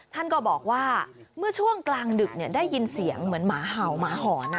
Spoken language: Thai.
ท่านก็บอกว่าเมื่อช่วงกลางดึกได้ยินเสียงเหมือนหมาเห่าหมาหอน